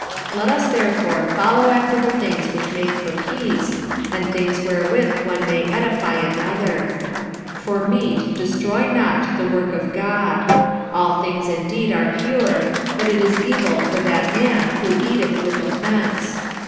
45:014:019 Let us therefore follow after the things which make for peace, and things wherewith one may edify another. 45:014:020 For meat destroy not the work of God. All things indeed are pure; but it is evil for that man who eateth with offence.